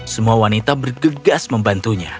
semua wanita bergegas membantunya